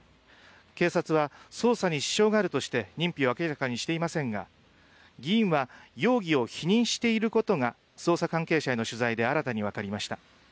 警察は捜査に支障があるとして認否を明らかにしていませんが議員は容疑を否認していることが捜査関係者への取材で新たに分かりました。